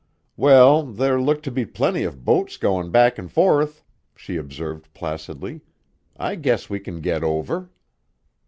"Well, there look to be plenty of boats goin' back an' forth," she observed placidly. "I guess we can get over."